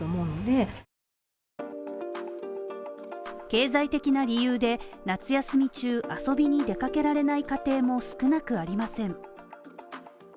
経済的な理由で、夏休み中、遊びに出かけられない家庭も少なくありません。